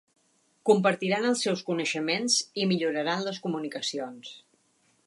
Compartiran els seus coneixements i milloraran les comunicacions.